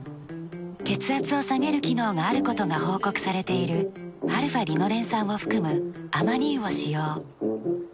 血圧を下げる機能があることが報告されているαーリノレン酸を含むアマニ油を使用。